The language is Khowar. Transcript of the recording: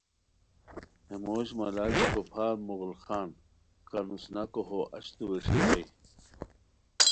ہے موش ملال بیکو پھار مغل خان ہے کان اوسناکو ہو اچتو ویݰیتائے